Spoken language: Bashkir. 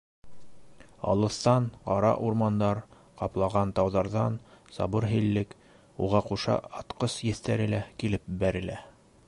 Алыҫтан, ҡара урмандар ҡаплаған тауҙарҙан, сабыр һиллек, уға ҡуша атҡыс еҫтәре лә килеп бәрелә.